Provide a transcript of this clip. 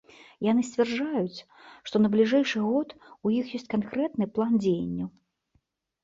Яны сцвярджаюць, што на бліжэйшы год у іх ёсць канкрэтны план дзеянняў.